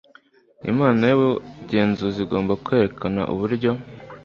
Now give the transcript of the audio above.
inama y'ubugenzuzi igomba kwerekana uburyo